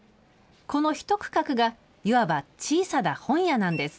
この１区画が、いわば小さな本屋なんです。